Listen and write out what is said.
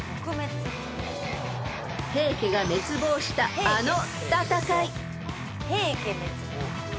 ［平家が滅亡したあの戦い］